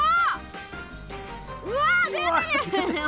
うわ出てるよ。